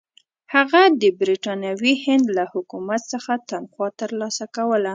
هغه د برټانوي هند له حکومت څخه تنخوا ترلاسه کوله.